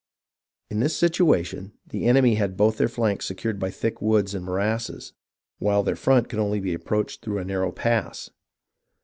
In this situation, the enemy had both their flanks secured by thick woods and morasses, while their front could only be ap proached through a narrow pass.